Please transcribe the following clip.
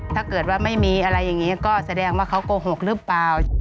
ถ้าเกิดว่าไม่มีอะไรอย่างนี้ก็แสดงว่าเขาโกหกหรือเปล่า